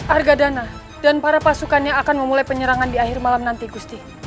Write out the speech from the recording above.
argadana dan para pasukannya akan memulai penyerangan di akhir malam nanti gusti